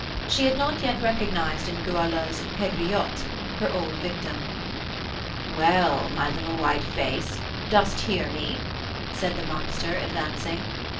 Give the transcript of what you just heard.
She had not yet recognised in Goualeuse "Pegriotte," her old victim. "Well, my little white face, dost hear me?" said the monster, advancing.